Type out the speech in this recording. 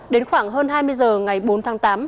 đến khoảng hơn hai mươi h ngày bốn tháng tám